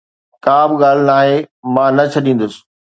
ڪا به ڳالهه ناهي، مان نه ڇڏيندس